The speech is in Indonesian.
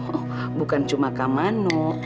oh bukan cuma kak mano